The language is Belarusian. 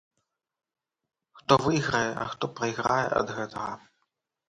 Хто выйграе, а хто прайграе ад гэтага?